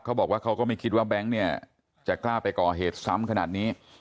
เขาก็ไม่คิดว่าแบงค์เนี่ยจะกล้าไปก่อเหตุซ้ำขนาดนี้